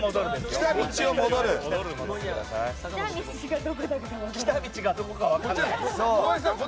来た道がどこか分からない。